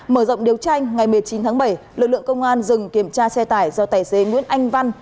mở rộng điều tra ngày một mươi chín tháng bảy lực lượng công an dừng kiểm tra xe tải do tài xế nguyễn anh văn